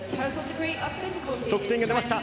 得点が出ました。